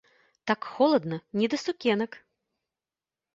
Так холадна, не да сукенак!